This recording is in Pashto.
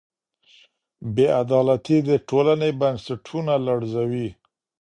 بې عدالتي د ټولني بنسټونه لړزوي.